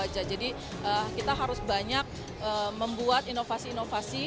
jadi kita harus banyak membuat inovasi inovasi